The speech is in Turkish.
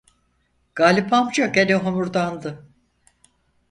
Galip amca gene homurdandı: